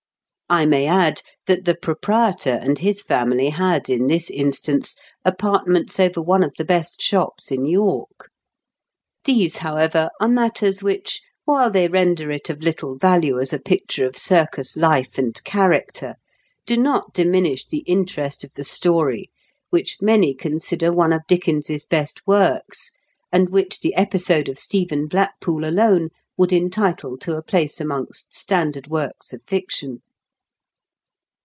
256 IN KENT WITH CHABLE8 DI0KEN8. I may add that the proprietor and his family had, in this instance, apartments over one of the best shops in York. These, how ever, are matters which, while they render it of little value as a picture of circus life and character, do not diminish the interest of the story, which many consider one of Dickens's best works, and which the episode of Stephen Blackpool alone would entitle to a place amongst standard works of fiction.